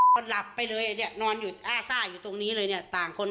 ก็หลับไปเลยเนี่ยนอนอยู่อ้าซ่าอยู่ตรงนี้เลยเนี่ยต่างคน